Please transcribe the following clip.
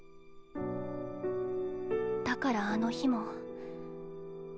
だからあの日も。